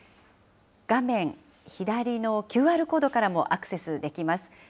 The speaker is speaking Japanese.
画面左のＱＲコードからもアクセスできます。